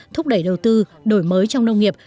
thúc đẩy đầu tư đổi mới trong nông nghiệp